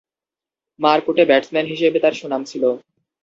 মারকুটে batsman হিসেবে তার সুনাম ছিল।